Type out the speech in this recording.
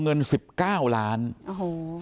ส่งเบี้ยประกันปีละ๑ล้านบาท